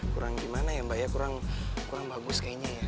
kurang gimana ya mbak ya kurang bagus kayaknya ya